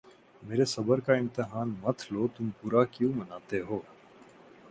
میرے صبر کا امتحان مت لو تم برا کیوں مناتے ہو